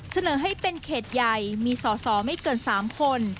เสนอให้เป็นเขตใหญ่มีสอสอไม่เกิน๓คน